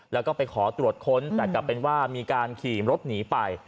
แล้วก็ไปขอตรวจค้นแต่กลับเป็นว่ามีการขี่รถหนีไป